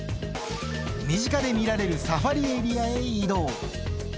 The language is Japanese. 身近で見られるサファリエリアへ移動。